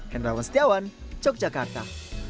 kendra wastiawan yogyakarta